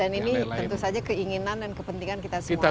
dan ini tentu saja keinginan dan kepentingan kita semua